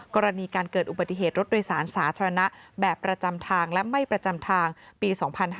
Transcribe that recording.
กรณีการเกิดอุบัติเหตุรถโดยสารสาธารณะแบบประจำทางและไม่ประจำทางปี๒๕๕๙